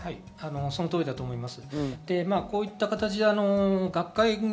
その通りだと思います。